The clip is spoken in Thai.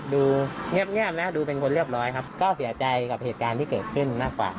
ดูเงียบนะดูเป็นคนเรียบร้อยครับก็เสียใจกับเหตุการณ์ที่เกิดขึ้นมากกว่า